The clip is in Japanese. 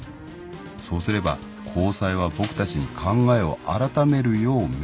そうすれば高裁は僕たちに考えを改めるよう命令してくる。